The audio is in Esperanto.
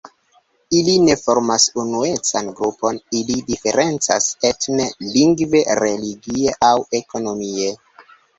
Ili ne formas unuecan grupon, ili diferencas etne, lingve, religie aŭ ekonomie.